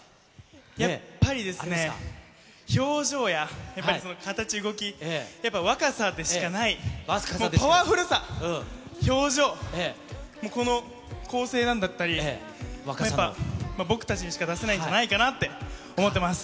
やっぱりですね、表情や、やっぱり、その形、動き、やっぱ若さでしかない、パワフルさ、表情、もうこの構成だったり、やっぱ僕たちにしか出せないんじゃないかなって思ってます。